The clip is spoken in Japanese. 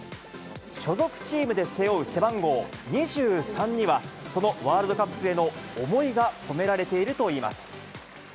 所属チームで背負う背番号２３には、そのワールドカップへの思いが込められているといいます。